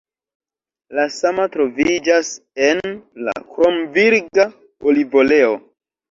La sama troviĝas en la kromvirga olivoleo.